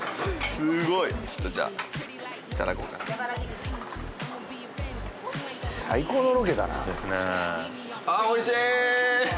すごいちょっとじゃあいただこうかな最高のロケだなですね